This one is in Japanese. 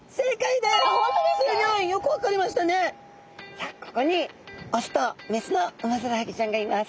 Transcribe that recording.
さあここに雄と雌のウマヅラハギちゃんがいます。